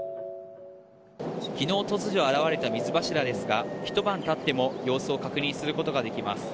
昨日、突如現れた水柱ですがひと晩経っても様子を確認することができます。